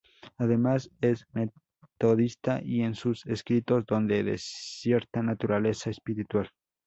Además, es metodista y en sus escritos donde de cierta naturaleza espiritual.